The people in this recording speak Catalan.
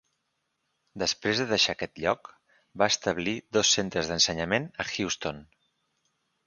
Després de deixar aquest lloc, va establir dos centres d'ensenyament a Houston.